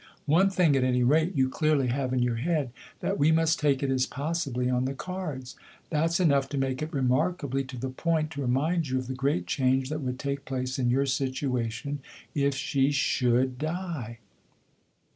One thing, at any rate, you clearly have in your head that we must take it as possibly on the cards. That's enough to make it remarkably to the point to remind you of the great change that would take place in your situation if she should die."